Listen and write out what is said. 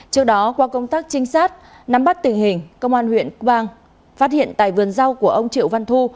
trước đó qua công tác trinh sát nắm bắt tình hình công an huyện cơ bang phát hiện tại vườn rau của ông triệu văn thu